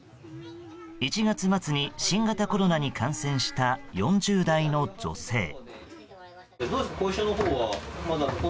１月末に新型コロナに感染した４０代の女性。